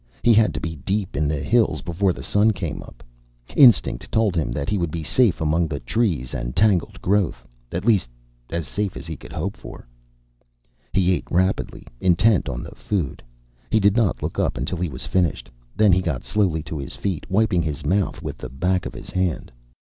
He had to be deep in the hills before the sun came up. Instinct told him that he would be safe among the trees and tangled growth at least, as safe as he could hope for. He ate rapidly, intent on the food. He did not look up until he was finished. Then he got slowly to his feet, wiping his mouth with the back of his hand.